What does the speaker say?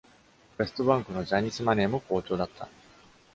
ウェストバンクのジャニス・マネーも好調だった。